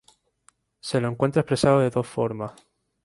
Se lo encuentra expresado de dos formas.